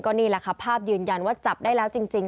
นี่แหละค่ะภาพยืนยันว่าจับได้แล้วจริง